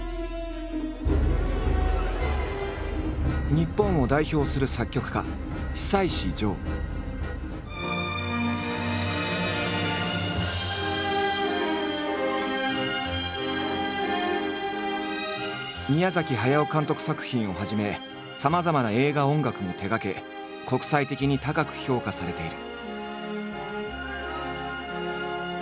日本を代表する宮駿監督作品をはじめさまざまな映画音楽も手がけ国際的に高く評価されている。